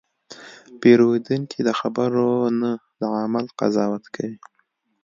پیرودونکی د خبرو نه، د عمل قضاوت کوي.